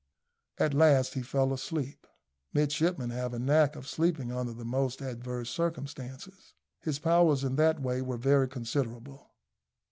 At last he fell asleep. Midshipmen have a knack of sleeping under the most adverse circumstances. His powers in that way were very considerable.